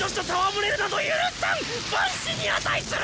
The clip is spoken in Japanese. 万死に値する！